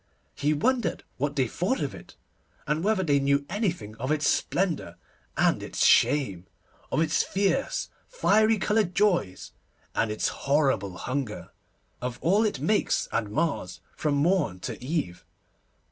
He wondered what they thought of it, and whether they knew anything of its splendour and its shame, of its fierce, fiery coloured joys, and its horrible hunger, of all it makes and mars from morn to eve.